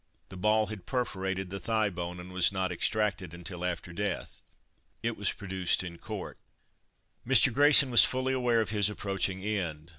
The ball had perforated the thigh bone, and was not extracted until after death. It was produced in court. Mr. Grayson was fully aware of his approaching end.